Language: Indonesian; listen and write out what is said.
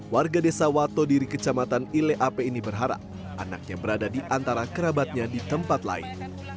warga desa watodiri kecamatan ileape ini berharap anaknya berada di antara kerabatnya di tempat lain